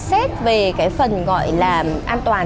xét về cái phần gọi là an toàn